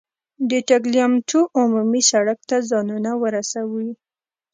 د ټګلیامنتو عمومي سړک ته ځانونه ورسوو.